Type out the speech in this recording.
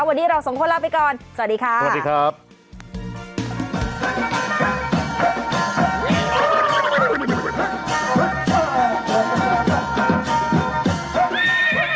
วันนี้เราส่งคนลาไปก่อนสวัสดีค่ะ